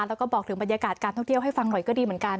แล้วก็บอกถึงบรรยากาศการท่องเที่ยวให้ฟังหน่อยก็ดีเหมือนกัน